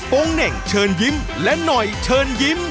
เน่งเชิญยิ้มและหน่อยเชิญยิ้ม